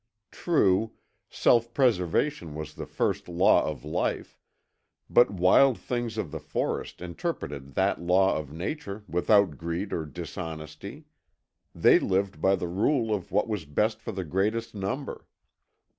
True, self preservation was the first law of life, but wild things of the forest interpreted that law of nature without greed or dishonesty. They lived by the rule of what was best for the greatest number.